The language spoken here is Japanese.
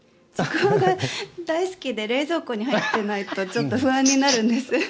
ちくわが大好きで冷蔵庫に入っていないとちょっと不安になるんです。